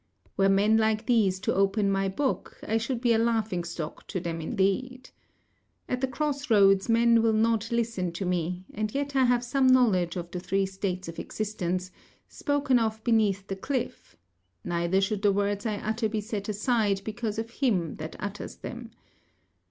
Were men like these to open my book, I should be a laughing stock to them indeed. At the cross roads men will not listen to me, and yet I have some knowledge of the three states of existence spoken of beneath the cliff; neither should the words I utter be set aside because of him that utters them.